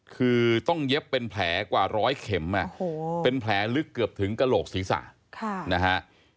คือต้องเย็บเป็นแผลกว่าร้อยเข็มเป็นแผลลึกเกือบถึงกระโหลกศีรษะนะฮะ